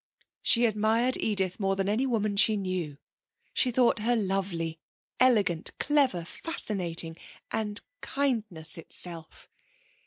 She admired Edith more than any woman she knew; she thought her lovely, elegant, clever, fascinating and kindness itself.